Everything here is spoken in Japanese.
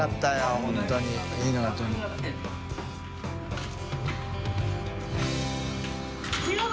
本当にいいのが。